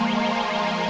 sampai jumpa lagi